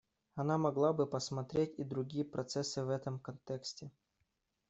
Она могла бы посмотреть и другие процессы в этом контексте.